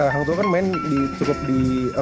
hangtua kan main cukup di